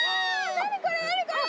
何⁉これ何⁉これ。